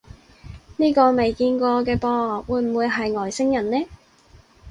呢個未見過嘅噃，會唔會係外星人呢？